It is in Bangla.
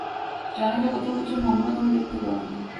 জানে যে, কোথাও কিছু নোংরা তুমি দেখতে পার না।